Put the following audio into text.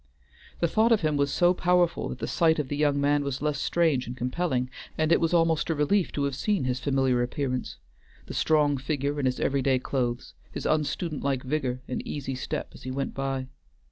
The thought of him was so powerful that the sight of the young man was less strange and compelling, and it was almost a relief to have seen his familiar appearance, the strong figure in its every day clothes, his unstudent like vigor, and easy step as he went by.